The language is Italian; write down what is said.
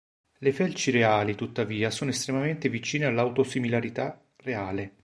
Le felci reali, tuttavia, sono estremamente vicine all'auto-similarità reale.